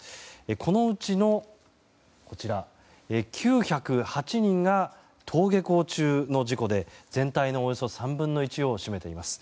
このうちの９０８人が登下校中の事故で全体のおよそ３分の１を占めています。